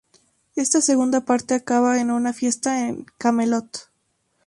Esta segunda parte acaba en una fiesta en Camelot.